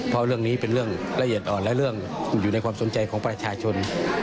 เพราะเรื่องนี้เป็นเรื่องละเอียดอ่อนและเรื่องอยู่ในความสนใจของประชาชน